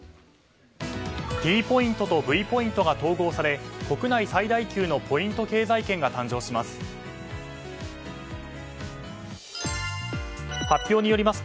ＴポイントとＶポイントが統合され国内最大級のポイント経済圏が誕生します。